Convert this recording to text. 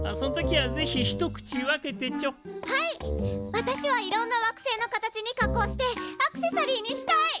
私はいろんな惑星の形に加工してアクセサリーにしたい！